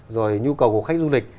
rồi nhu cầu của khách du lịch